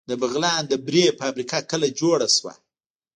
د بغلان د بورې فابریکه کله جوړه شوه؟